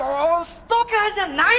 ストーカーじゃない。